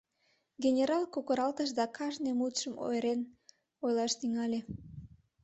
Генерал кокыралтыш да кажне мутшым ойырен ойлаш тӱҥале: